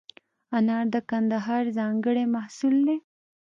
انار د کندهار ځانګړی محصول دی.